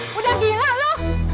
hei udah gila lu